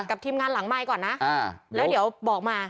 ทีมงานหลังไมค์ก่อนนะแล้วเดี๋ยวบอกมา